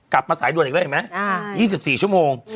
กลับมาสายด่วนอีกแล้วเห็นไหม๒๔ชั่วโมง